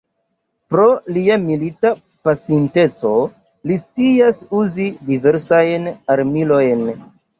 Pro lia milita pasinteco, li scias uzi diversajn armilojn.